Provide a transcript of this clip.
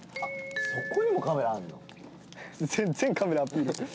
そこにもカメラあるの？